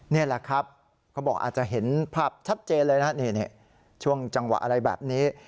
นี่แหละครับเขาบอกอาจจะเห็นภาพชัดเจนเลยนะนี่ช่วงจังหวะอะไรแบบนี้